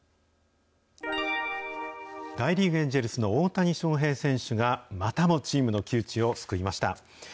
大リーグ・エンジェルスの大谷翔平選手が、またもチームの窮地を救いました。